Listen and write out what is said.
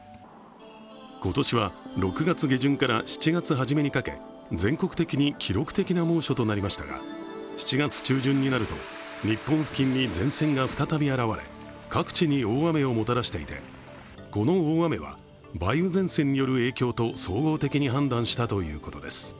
今年は６月下旬から７月初めにかけ全国的に記録的な猛暑となりましたが７月中旬になると日本付近に前線が再び現れ各地に大雨をもたらしていて、この大雨は梅雨前線による影響と総合的に判断したということです。